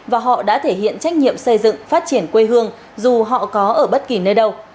và họ đã thể hiện trách nhiệm xây dựng phát triển quê hương dù họ có ở bất kỳ nơi đâu